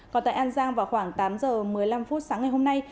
còn tại an giang vào khoảng tám giờ một mươi năm phút sáng ngày hôm nay